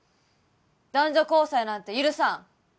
男女交際なんて許さん